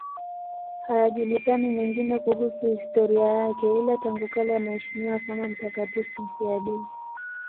Hayajulikani mengine kuhusu historia yake, ila tangu kale anaheshimiwa kama mtakatifu mfiadini.